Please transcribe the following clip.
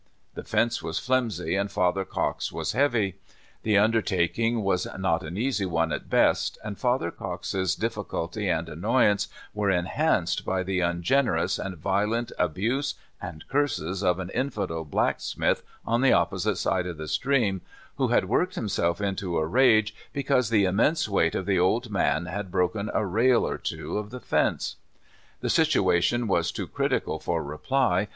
The fence was flimsy, and Father Cox was heavy. The undertaking was not an easy one at best, and Father Cox's difficulty and annoyance were enhanced by the ungenerous and violent abuse and curses of an infidel black smith on the opposite side of the stream, who had worked himself into a rage because the immense weight of the old man had broken a rail or two of the fence. The situation was too critical for reply.